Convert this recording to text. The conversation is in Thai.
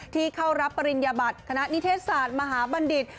ที่เข้ารับปริญญบัตรคณะนิเทศศาสตร์มหาบัณฑิต